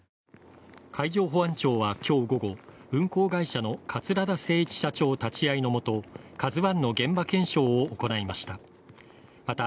海上保安庁は今日午後、運航会社の桂田精一社長立ち会いのもと、「ＫＡＺＵⅠ」の現場検証を行いました。